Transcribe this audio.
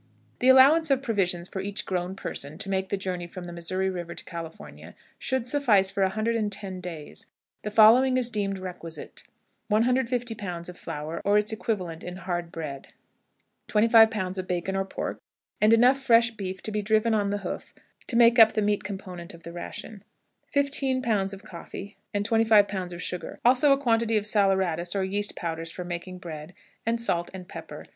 The allowance of provisions for each grown person, to make the journey from the Missouri River to California, should suffice for 110 days. The following is deemed requisite, viz.: 150 lbs. of flour, or its equivalent in hard bread; 25 lbs. of bacon or pork, and enough fresh beef to be driven on the hoof to make up the meat component of the ration; 15 lbs. of coffee, and 25 lbs. of sugar; also a quantity of saleratus or yeast powders for making bread, and salt and pepper.